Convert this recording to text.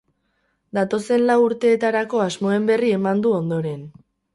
Datozen lau urteetarako asmoen berri eman du ondoren.